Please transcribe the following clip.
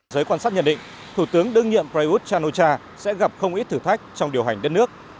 giới quan sát nhận định thủ tướng đương nhiệm prayuth chan o cha sẽ gặp không ít thử thách trong điều hành đất nước